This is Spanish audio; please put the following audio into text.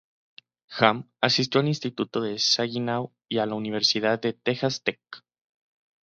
Ham asistió al Instituto Saginaw y a la Universidad de Texas Tech.